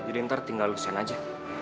jadi ntar tinggal lu send aja